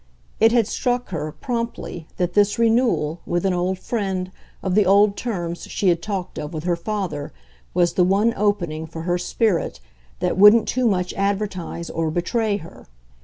It had struck her, promptly, that this renewal, with an old friend, of the old terms she had talked of with her father, was the one opening, for her spirit, that wouldn't too much advertise or betray her.